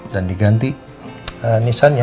dan diganti nissan ya